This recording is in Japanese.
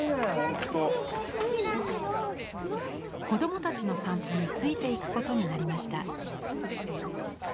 子どもたちの散歩についていくことになりました。